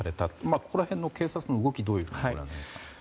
ここら辺の警察の動きはどうみていますか？